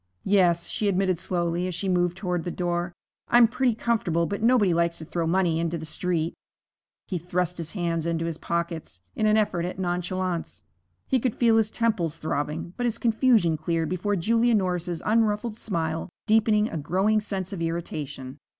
'Yes,' she admitted slowly, as she moved toward the door. 'I'm pretty comfortable, but nobody likes to throw money into the street.' He thrust his hands into his pockets in an effort at nonchalance. He could feel his temples throbbing. But his confusion cleared before Julia Norris's unruffled smile, deepening a growing sense of irritation.